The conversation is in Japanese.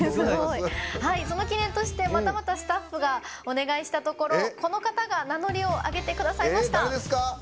その記念としてまたまたスタッフがお願いしたところ、この方が名乗りを上げてくださいました。